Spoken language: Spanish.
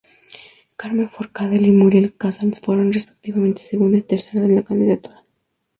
Carme Forcadell y Muriel Casals fueron respectivamente segunda y tercera en la candidatura.